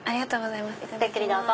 ごゆっくりどうぞ。